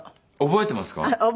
覚えていますよ。